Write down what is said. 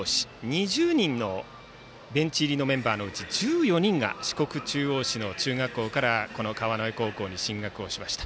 ２０人のベンチ入りメンバーのうち１４人が四国中央市の中学校から川之江高校に進学しました。